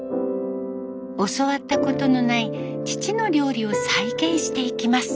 教わったことのない父の料理を再現していきます。